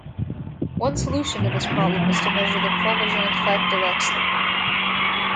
One solution to this problem is to measure the chromogenic factor X level.